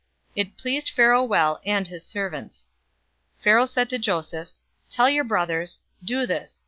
It pleased Pharaoh well, and his servants. 045:017 Pharaoh said to Joseph, "Tell your brothers, 'Do this.